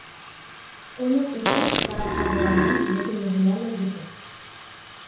Уның ите караптағыларҙың бөтөнөһөнә лә етә.